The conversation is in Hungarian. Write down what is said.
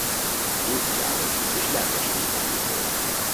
Dóczy János és Lelkes Éva fia volt.